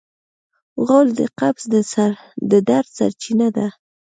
غول د قبض د درد سرچینه ده.